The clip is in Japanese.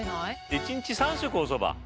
１日３食おそば？